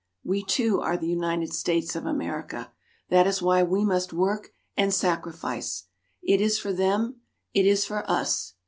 We too are the United States of America. That is why we must work and sacrifice. It is for them. It is for us.